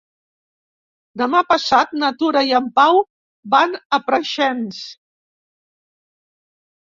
Demà passat na Tura i en Pau van a Preixens.